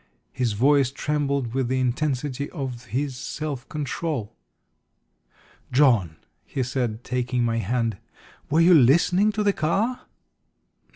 His voice trembled with the intensity of his self control. "John," he said, taking my hand, "were you listening to the car?"